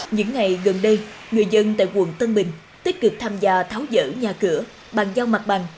những ngày gần đây người dân tại quận tân bình tích cực tham gia tháo dỡ nhà cửa bàn giao mặt bằng